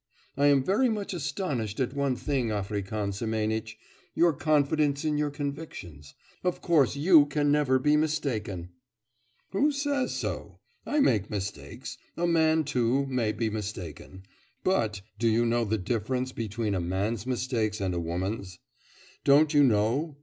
I am very much astonished at one thing, African Semenitch; your confidence in your convictions; of course you can never be mistaken.' 'Who says so? I make mistakes; a man, too, may be mistaken. But do you know the difference between a man's mistakes and a woman's? Don't you know?